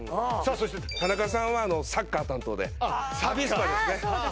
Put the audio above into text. そして田中さんはあのサッカー担当でアビスパですねああ